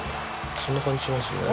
そんな感じしますよね。